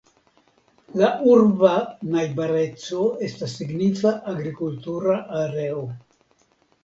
La urba najbareco estas signifa agrikultura areo.